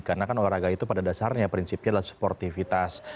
karena kan olahraga itu pada dasarnya prinsipnya adalah suportivitas